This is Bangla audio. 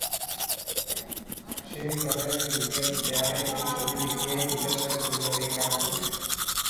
সে ঘরে ঢুকিয়া দেয়ালে একটা ছবি দেখিয়াই জিজ্ঞাসা করিল, এ কার ছবি?